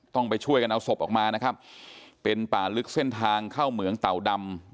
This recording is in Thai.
ต้องไปช่วยกันเอาศพออกมานะครับเป็นป่าลึกเส้นทางเข้าเหมืองเต่าดำ